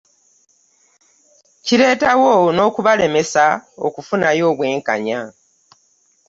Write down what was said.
Kireetawo n'okubalemesa okufunayo obwenkanya.